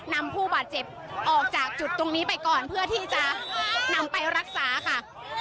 นำผู้บาดเจ็บออกจากจุดตรงนี้ไปก่อนเพื่อที่จะนำไปรักษาค่ะ